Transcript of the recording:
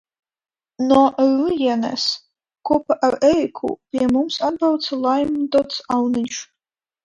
No Rūjienas, kopā ar Ēriku pie mums atbrauca Laimdots Auniņš.